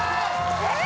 えっ！？